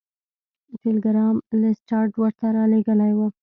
ټیلګرام لیسټرډ ورته رالیږلی و.